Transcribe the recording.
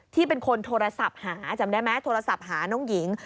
ที่เป็นคนโทรศัพท์หาจำได้ไหมโทรศัพท์หาน้องหญิง